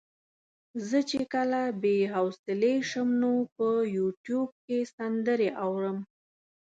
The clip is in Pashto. زه چې کله بې حوصلې شم نو په يوټيوب کې سندرې اورم.